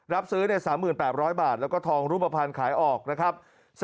รับซื้อ๓๘๐๐บาทแล้วก็ทองรูปภัณฑ์ขายออกนะครับ